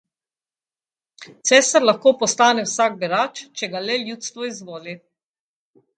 Cesar lahko postane vsak berač, če ga le ljudstvo izvoli.